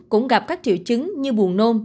cũng gặp các triệu chứng như buồn nôn